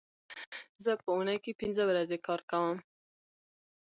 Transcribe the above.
زه په اونۍ کې پینځه ورځې کار کوم